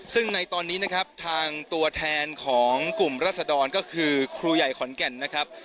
ซึ่งในตอนนี้นะครับทางตัวแทนของกลุ่มรัศดรก็คือครูใหญ่ขอนแก่นนะครับ